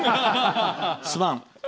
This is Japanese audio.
すまん。